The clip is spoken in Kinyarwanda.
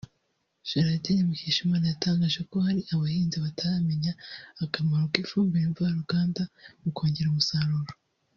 Geraldine Mukeshimana yatangaje ko hakiri abahinzi bataramenya akamaro k’ifumbire mva ruganda mu kongera umusaruro